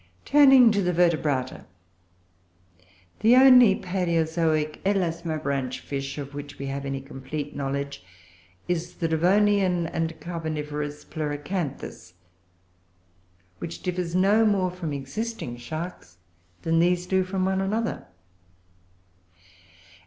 Turning to the Vertebrata, the only palaeozoic Elasmobranch Fish of which we have any complete knowledge is the Devonian and Carboniferous Pleuracanthus, which differs no more from existing Sharks than these do from one another.